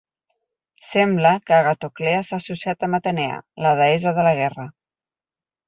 Sembla que Agatoclea s'ha associat amb Atenea, la deessa de la guerra.